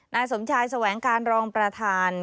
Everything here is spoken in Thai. นายสมชายแสวงการรองประธาน